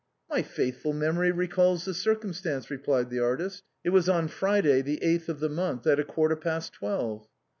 " My faithful memory recalls the circumstance," replied the artist. " It was on Friday, the eighth of the month, at a quarter past twelve."